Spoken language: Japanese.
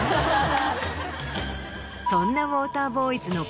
そんな。